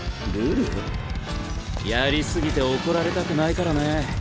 やり過ぎて怒られたくないからね。